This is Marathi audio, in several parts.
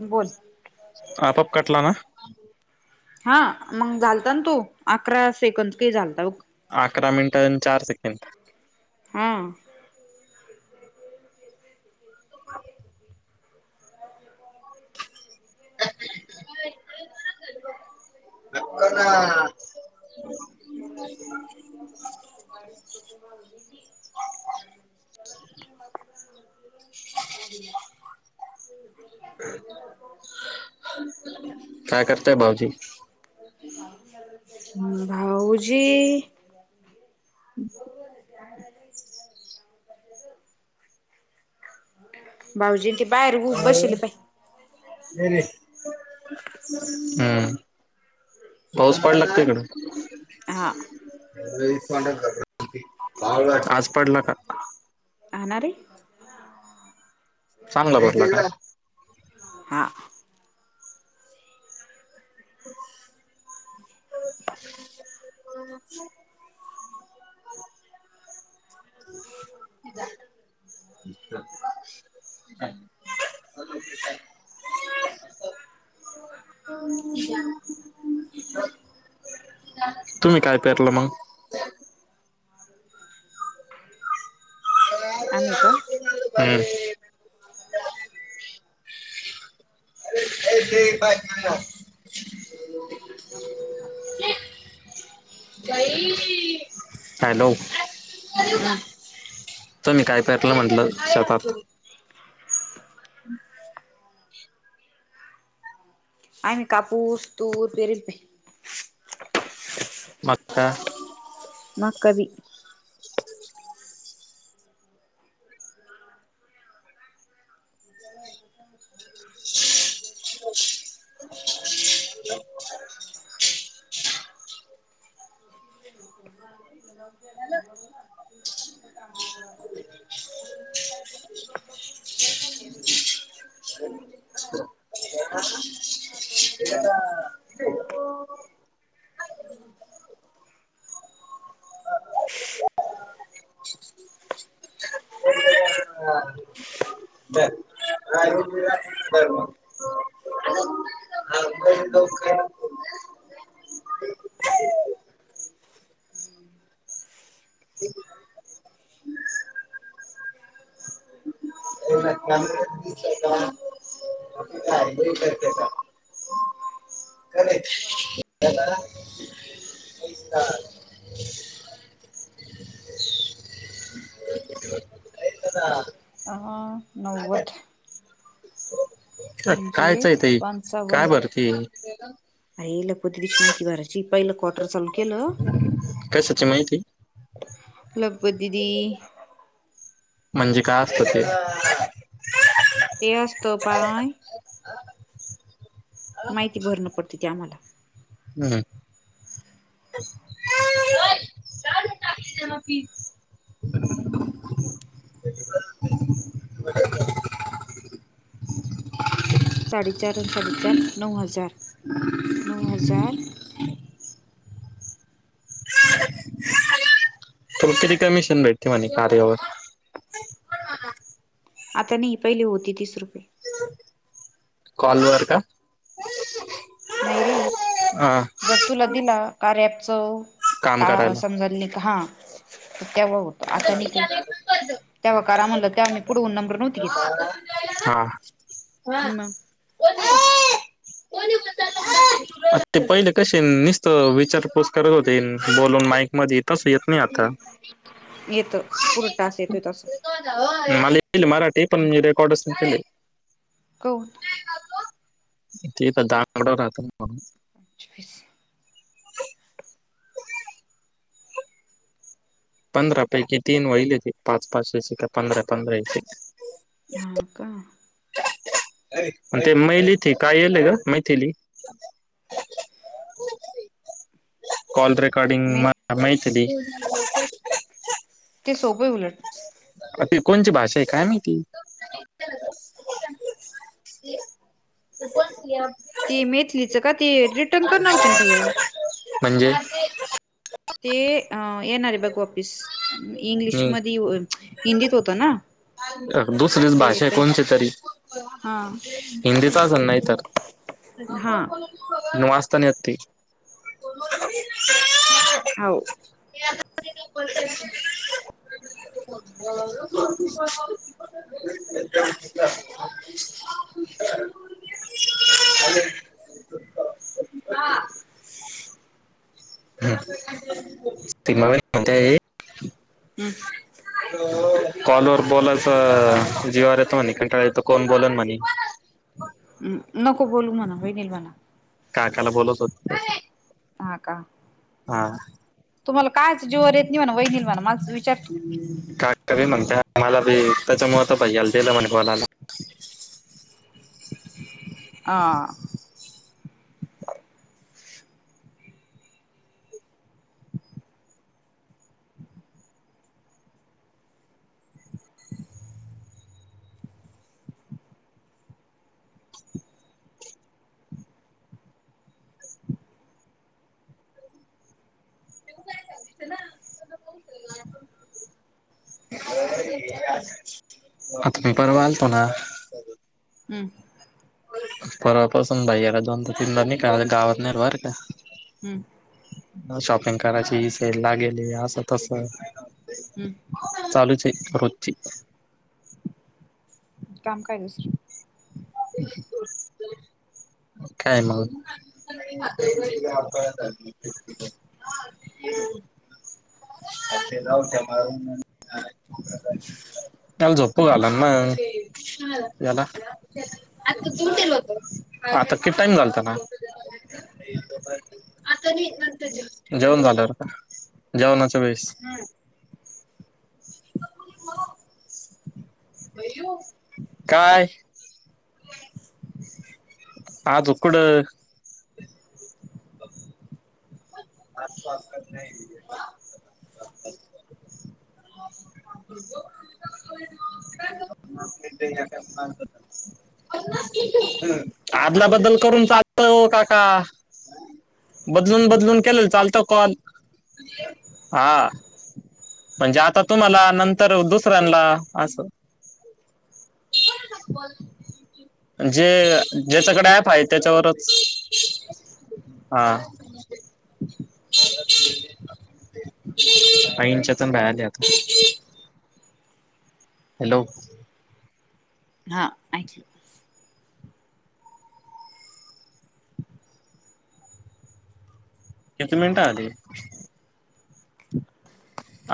बोल आपआप कटला ना. हा मंग झालता ना तो अकरा सेकंड कई झालता ओक अकरा मिनिट आणि चार सेकंड हा नको ना [unintelligible] [unintelligible] [unintelligible] काय करताय भाऊजी हं भाऊजी भाऊजीं ते बाहेर ऊक बशिले पाय हम्म. पाऊस पडला का तिकडं हा आज पडला का? हा ना रे चांगला पडला का? हा. [unintelligible] [unintelligible] [unintelligible] [unintelligible] तुम्ही काय पेरलं मग? आम्ही का? हम् ए ते पाय [unintelligible] हॅलो हम् तुम्ही काय टाकल म्हणल शेतात [unintelligible] कापूस तूर पेरिते. मक्का. मक्का बी. [inaudible] [unintelligible] [unintelligible] [unintelligible] [unintelligible] [inaudible] [unintelligible] [unintelligible] [unintelligible] [inaudible] [unintelligible] करते का? [unintelligible] [unintelligible] [unintelligible] नव्वद. म्हणजे, कायच आहे ते पंचावन्न. काय बरं ते आई लपू दीदीची माहिती भरायची पहिलं क्वाटर चालू केलं. कशाची माहिती? लपू दिदी. म्हणजे काय असत ते. ते असत पाय. [unintelligible] माहिती भरणं पडत ती आम्हाला. हम्म. [unintelligible] [unintelligible] प्लीज. साडेचार आणि साडेचार नऊ हजार, नऊ हजार. तर किती कमिशन भेटते म्हणे कार्यावर. आता नाही पहिली होती तीस रुपये. कॉलवर का? नाही रे. हा जर तुला दिला कार्य ॲपच, काम टा करायला समजा ली हा. [unintelligible] काही [unintelligible] तेव्हा कारा म्हणलं तेव्हा मी पुढन नंबर नव्हती घेत, म. [unintelligible] आ ते पहिले कसे निसत विचारपूस करत होते बोलून माईक मध्ये तस येत नाही आता. येत पुढ टास येतोय तसं. मला ईल मराठी पण मी रेकॉर्डस नाही केले. काऊन. ते तर दार उघड राहत ना म्हणून. [unintelligible] [unintelligible] पंधरा पैकी तीन वहिले ते पाच पाच का पंधरा पंधरा हा का. ते मैलीत काय येलय ग मैथिली. [unintelligible] कॉल रेकॉर्डिंग म मैथिली. ते सोपे उलट. अ त कोणची भाषा आहे काय माहिती. ते मेथलीचं का ते रिटर्न करणार होते ना भैया [unintelligible] म्हणजे? ते येणारे बघ ऑफिस इंग्लिश मध्ये हिंदीत होतं ना. अ दुसरीच ते भाषा आहे ते कोणती तरी हा हिंदीच असल नाही तर. हा [unintelligible] [unintelligible] [unintelligible] [unintelligible] [unintelligible] [unintelligible] कॉलवरर बोलायचं जीवावर येत म्हणे कंटाळ येतो कोण बोलाल म्हणे म नको बोलू म्हणा वहिनीला म्हणा काकाला बोलस होत. हा का. हा. तुम्हाला कायच जीवर येत नाही म्हणा वईनील म्हणा मला विचार का क म्हणते आम्हाला बी त्याच्यामुळेळ तर पहि्याला दिलं म्हणे कॉल आला [unintelligible] आता मी परवा आलतो ना. हम्म. परवापासून बाला दोनदा तीनदा नईका गावात नाही बर का. हम्म. शॉपिंग करायची सेल ला आलेली असं तस. हम्म चालूच आहे रोजची. काम काय दुसरं [inaudible] काय मग. [unintelligible] त्याला झोपु घालाना याला होत आता कि टाइम झालत ना. आता जेऊन झाल्यावर का. जेवनाच्या वेळेस. [unintelligible] काय? आजु कुड. [unintelligible] [unintelligible] आदल्या बद्दल करून चालत ओ काका. बदलून बदलून केले चालतो कॉल हा. म्हणजे आता तुम्हाला नंतर दुसऱ्यांना असं. [unintelligible] जे ज्याच्याकडे ऍप आहे त्याच्यावरच. हा. [inaudible] हॅलो हां ऐकलो किती मिनटं आली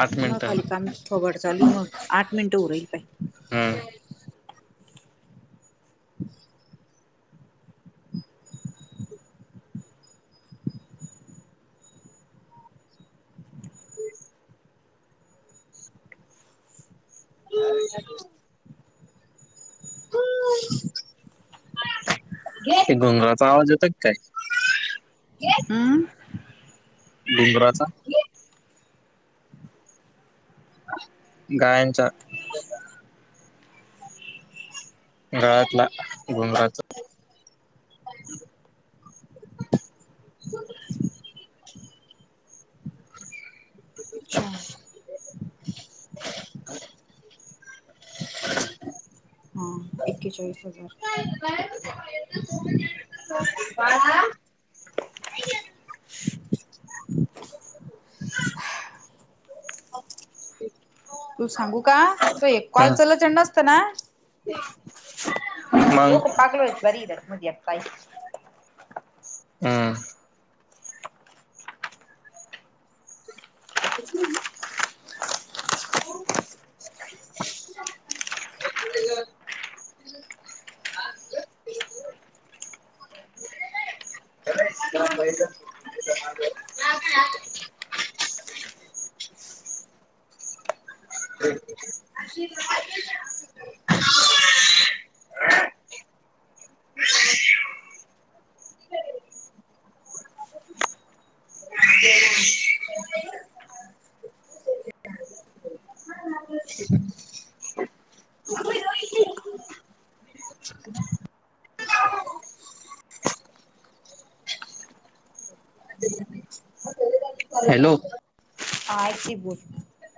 आठ मग मिनिटं खाली काम थोबाट चालूल मग आठ मिनिटं उरेल पाय हम्म [unintelligible] गोंगराचा आवाज यतोय का काय हम्म [inaudible] गायंचा गळाचा गुंगराचा अछ्या एकेचाळीस हजार बाळा तू सांगू का तू एक कॉल हम्म चल च नसतं ना [unintelligible] मग डोकं पागलोच बरी मजी्पाई हम्म हम्म. [unintelligible] [unintelligible] [inaudible] हॅलो आय कीती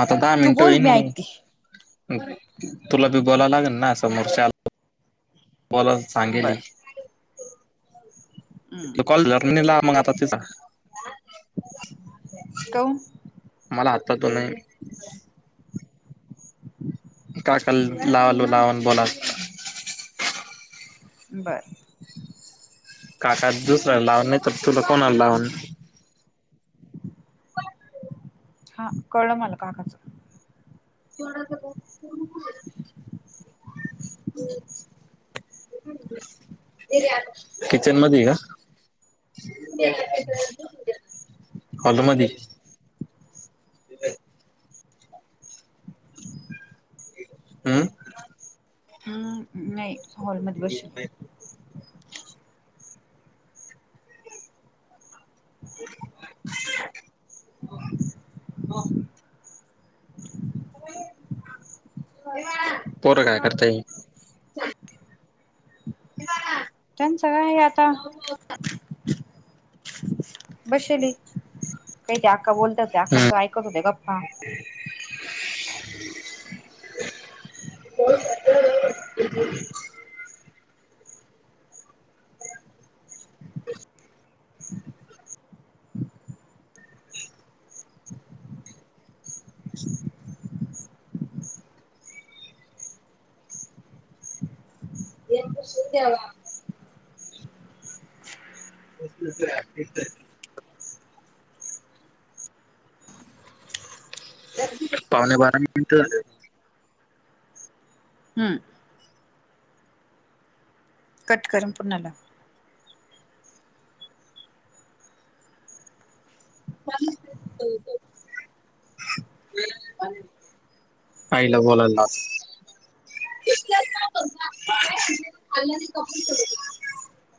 आता दहा मिनटं होईल. तुला बी बोलावं लागेल ना समोरच्या बोला सांगेली बर हम्म कॉलेज जर्नीला मग आता तिचा काऊन मला आत्ता तो नाही काका हम्म लावालो लावून बोलात बर [inaudible] हा कळ मला काकाचं [unintelligible] किचन मध्ये हाय का [inaudible] हम्म. हम्म नाही हॉलमध्ये बशीव [unintelligible] पोरं काय करता ये. त्याचं काय आता बसेल काही ते आक्का बोलतात त्या आक्काच हम्म ऐकत होते गप्पा. [unintelligible] [unintelligible] पावणे बारा मिनिट झाले. हम्म कट करम कुणाला [unintelligible] काईला बोला. अ कप.